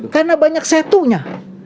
karena banyak setunya